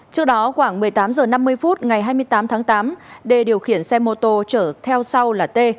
trước đó khoảng một mươi tám h năm mươi phút ngày hai mươi tám tháng tám đê điều khiển xe mô tô chở theo sau là t